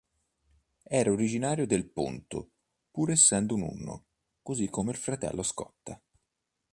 Era originario del Ponto, pur essendo un unno, così come il fratello Scotta.